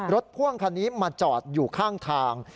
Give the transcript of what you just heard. พ่วงคันนี้มาจอดอยู่ข้างทาง